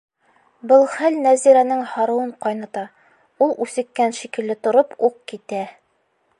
Был хәл Нәзирәнең һарыуын ҡайната, ул үсеккән шикелле тороп уҡ китә: